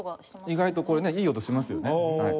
意外とこれねいい音しますよね。